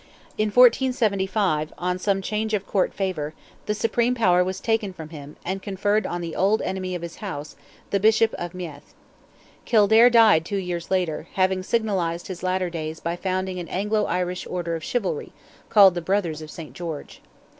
In 1475, on some change of Court favour, the supreme power was taken from him, and conferred on the old enemy of his House, the Bishop of Meath. Kildare died two years later, having signalized his latter days by founding an Anglo Irish order of chivalry, called "the Brothers of St. George."